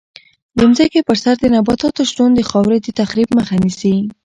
د ځمکې په سر د نباتاتو شتون د خاورې د تخریب مخه نیسي.